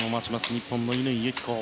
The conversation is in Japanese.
日本の乾友紀子。